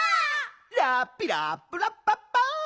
「ラッピラップラッパッパ」